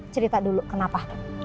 cerita dulu kenapa